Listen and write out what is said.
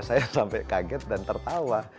saya sampai kaget dan tertawa